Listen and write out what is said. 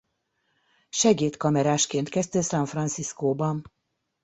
Segéd kamerásként kezdte San Franciscoban.